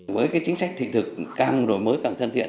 với cái chính sách thị thực càng đổi mới càng thân thiện